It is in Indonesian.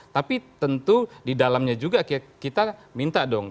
tapi tentu di dalamnya juga kita minta dong